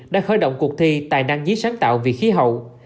đã khởi động cuộc thi tài năng dí sáng tạo vì khí hậu